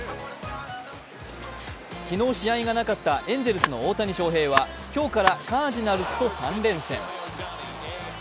昨日、試合がなかったエンゼルスの大谷翔平は今日からカージナルスと３連戦。